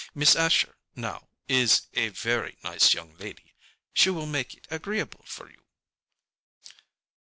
Miss Asher, now, is a very nice young lady; she will make it agreeable for you."